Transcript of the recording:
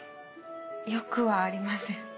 よくはありません。